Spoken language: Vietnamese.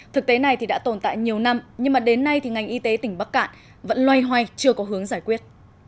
thực tế này đã tồn tại nhiều năm nhưng đến nay ngành y tế tỉnh bắc cạn vẫn loay hoay chưa có hướng giải quyết